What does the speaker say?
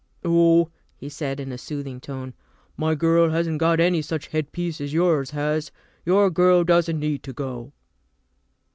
"Oh," he said, in a soothing tone, "my girl hasn't got any such head piece as yours has. Your girl doesn't need to go."